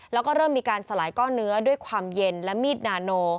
แล้วก็เริ่มมีการสลายก้อนเนื้อด้วยความเย็นและมีดนาโน